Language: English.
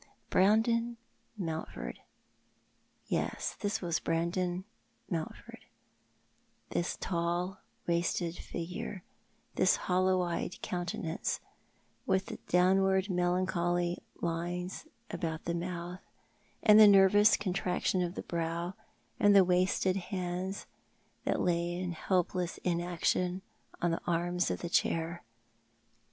Brandon Mountford! Yes, this was Brandon Mountford ; this tall wasted figure; this hollow eyed countenance, with the downward melancholy lines about the mouth, and the nervous contraction of the brow, and the wasted hands that lay in helpless inaction on the arms of the chair.